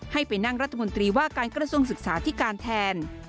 ให้ไปนั่งรัฐมนตรีว่าการกระทรวงศึกษาที่การแทน